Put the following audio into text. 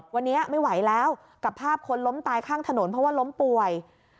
วันนี้ไม่ไหวแล้วกับภาพคนล้มตายข้างถนนเพราะว่าล้มป่วย